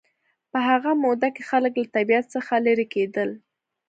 په هغه موده کې خلک له طبیعت څخه لېرې کېدل